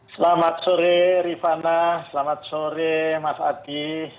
selamat sore rifana selamat sore mas adi